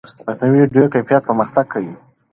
مصنوعي ویډیو کیفیت پرمختګ کوي.